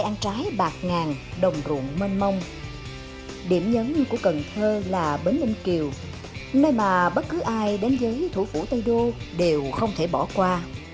nơi mà bất cứ ai đến với thủ phủ tây đô đều không thể bỏ qua